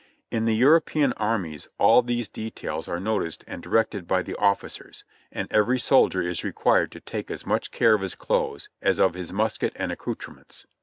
In the European armies all these details are noticed and directed by the ofificers, and every soldier is required to take as much care of his clothes as of his musket and accou trements.